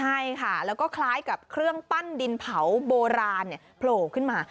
ใช่ค่ะแล้วก็คล้ายกับเครื่องปั้นดินเผาโบราณโผล่ขึ้นมา